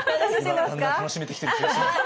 だんだん楽しめてきてる気がします。